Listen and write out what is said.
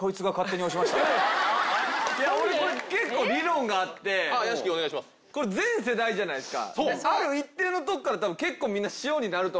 俺これ結構理論があって全世代じゃないですか。